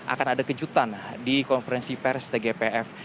akan ada kejutan di konferensi pers tgpf